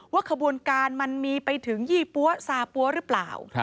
ขบวนการมันมีไปถึงยี่ปั๊วซาปั๊วหรือเปล่า